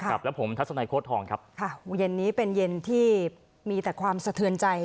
ครับและผมทัศนัยโค้ดทองครับค่ะเย็นนี้เป็นเย็นที่มีแต่ความสะเทือนใจ